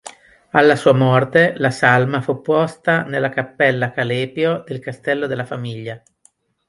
Alla sua morte la salma fu posta nella cappella Calepio del castello della famiglia.